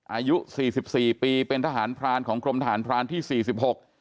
อายุสี่สิบสี่ปีเป็นทหารพรานของกรมทหารพรานที่สี่สิบหก